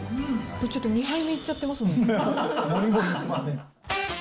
ちょっと２杯目いっちゃってますもん。